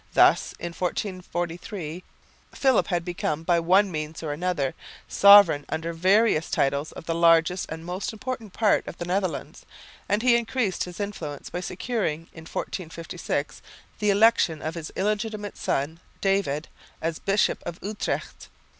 Thus in 1443 Philip had become by one means or another sovereign under various titles of the largest and most important part of the Netherlands, and he increased his influence by securing in 1456 the election of his illegitimate son David, as Bishop of Utrecht.